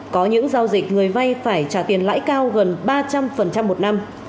có những giao dịch người vay phải trả tiền lãi cao gần ba trăm linh một năm